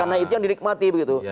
karena itu yang dirikmati begitu